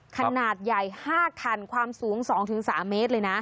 ขนาดใหญ่๕คันความสูง๒๓เมตรเลยนะ